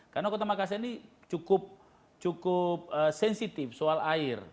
karena kota makassar ini cukup sensitif soal air